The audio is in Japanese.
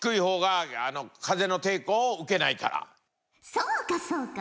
そうかそうか。